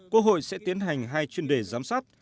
quốc hội sẽ tiến hành hai chuyên đề giám sát